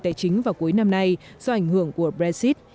tài chính vào cuối năm nay do ảnh hưởng của brexit